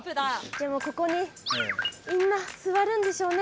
でもここにみんな座るんでしょうね。